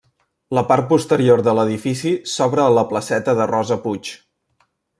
La part posterior de l'edifici s'obre a la placeta de Rosa Puig.